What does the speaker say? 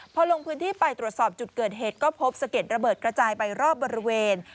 พอลงพื้นที่ไปตรวจสอบจุดเกิดเหตุก็พบสะเก็ดระเบิดกระจายไปรอบบริเวณ